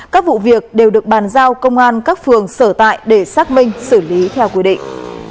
các vụ việc đều được bàn giao công an các phường sở tại để xác minh xử lý theo quy định